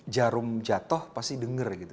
jarum jatuh pasti denger gitu